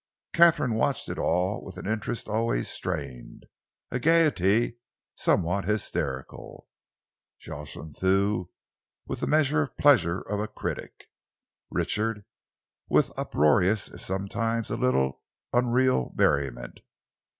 Katharine watched it all with an interest always strained, a gaiety somewhat hysterical; Jocelyn Thew with the measured pleasure of a critic; Richard with uproarious, if sometimes a little unreal merriment.